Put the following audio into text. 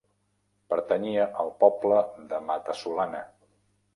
Pertanyia al poble de Mata-solana.